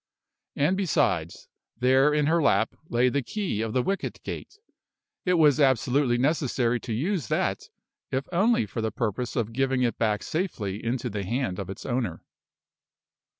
And besides, there in her lap lay the key of the wicket gate. It was absolutely necessary to use that, if only for the purpose of giving it back safely into the hand of its owner.